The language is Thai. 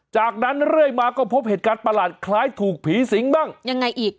จากนั้นเรื่อยมาก็พบเหตุการณ์ประหลาดคล้ายถูกผีสิงบ้างยังไงอีก